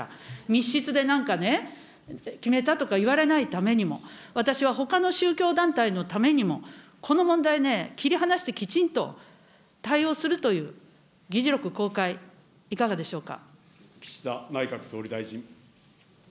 密室でなんかね、決めたとかいわれないためにも、私はほかの宗教団体のためにも、この問題ね、切り離してきちんと対応するという、岸田内閣総理大臣。